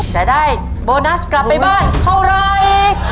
จะได้โบนัสกลับไปบ้านเท่าไร